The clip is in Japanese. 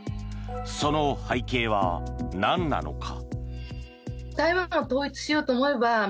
その背景はなんなのか。